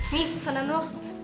nih senang tuh lo